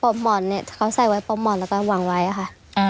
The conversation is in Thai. ปลอกหมอนเนี่ยเขาใส่ไว้ปลอกหมอนแล้วก็วางไว้ค่ะ